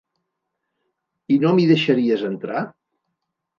I no m'hi deixaries entrar?